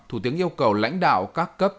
thủ tướng yêu cầu lãnh đạo các cấp